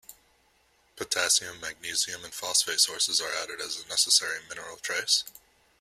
Potassium, magnesium and phosphate sources are added as a necessary mineral trace.